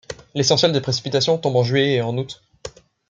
L'essentiel des précipitations tombe en juillet et en août.